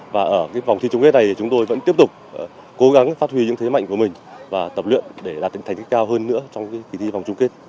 và ở vòng thi chung kết này chúng tôi vẫn tiếp tục cố gắng phát huy những thế mạnh của mình và tập luyện để đạt được thành tích cao hơn nữa trong kỳ thi vòng chung kết